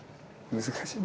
難しい。